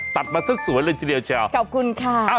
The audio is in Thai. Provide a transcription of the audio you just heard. ตัดมาซะสวยเลยทีเดียวเชียวขอบคุณค่ะ